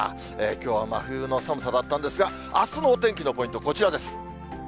きょうは真冬の寒さだったんですが、あすのお天気のポイントはこちらです。